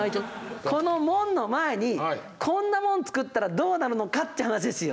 この門の前にこんなもん造ったらどうなるのかという話ですよ。